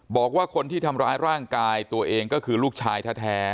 บอกว่าคนที่ทำร้ายร่างกายตัวเองก็คือลูกชายแท้